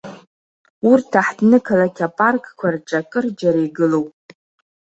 Урҭ аҳҭнықалақь апаркқәа рҿы акырџьара игылоуп.